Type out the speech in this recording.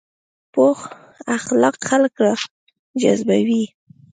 پوخ اخلاق خلک راجذبوي